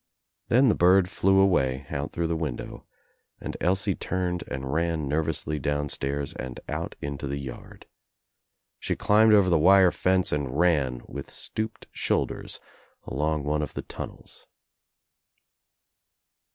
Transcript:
Then the bird flew away, out through the window, and Elsie turned and ran nervously downstairs and out Into the yard. She climbed over the wire fence and ran with stooped shoulders along one of the tunnels.